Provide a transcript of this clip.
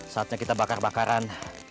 saatnya kita bakar bakaran